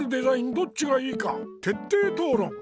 どっちがいいかてっていとうろん！